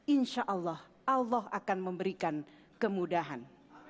insya allah allah akan memberikan kemudahan